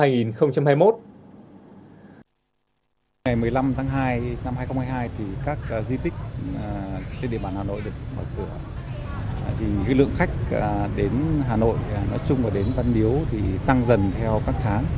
lượng khách đến hà nội nói chung đến văn biếu tăng dần theo các tháng